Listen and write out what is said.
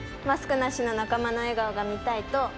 マスクなしの仲間の笑顔が見たいと。